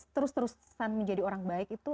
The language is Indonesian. terus terusan menjadi orang baik itu